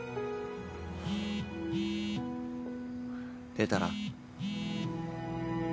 出たら？